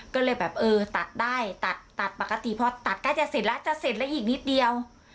ก็เลยแบบเออตัดได้ตัดตัดปกติพอตัดก็จะเสร็จแล้วจะเสร็จแล้วอีกนิดเดียว